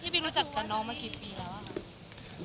พี่รู้จักกับน้องมากี่ปีแล้ว